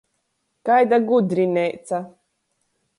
Kaida gudrineica!